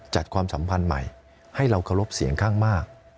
ความสัมพันธ์ใหม่ให้เราเคารพเสียงข้างมาก